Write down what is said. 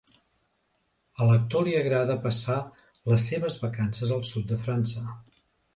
A l'actor li agrada passar les seves vacances al Sud de França.